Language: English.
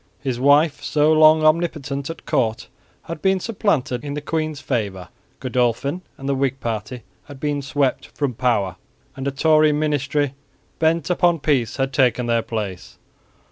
His wife, so long omnipotent at court, had been supplanted in the queen's favour; Godolphin and the Whig party had been swept from power; and a Tory ministry bent upon peace had taken their place.